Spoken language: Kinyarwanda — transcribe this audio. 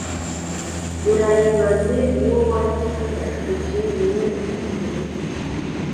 urayibaze uwo wayiragije niwe uyifite